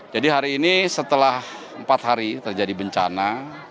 jadi hari ini setelah empat hari terjadi bencana